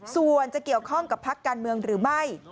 ส่วนจะเกี่ยวข้องกับพักการเมืองหรือไม่